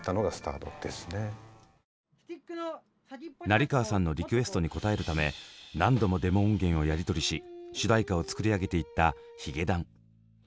成河さんのリクエストに応えるため何度もデモ音源をやり取りし主題歌を作り上げていったヒゲダン。